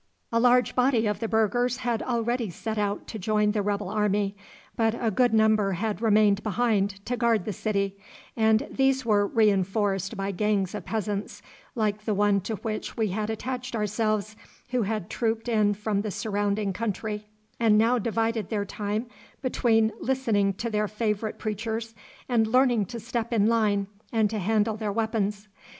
A large body of the burghers had already set out to join the rebel army, but a good number had remained behind to guard the city, and these were reinforced by gangs of peasants, like the one to which we had attached ourselves, who had trooped in from the surrounding country, and now divided their time between listening to their favourite preachers and learning to step in line and to handle their weapons.